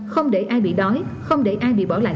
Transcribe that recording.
không để ai bị đói không để ai bị bỏ lại